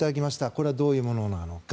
これはどういうものなのか。